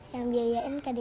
yang biayain kedenya bang adi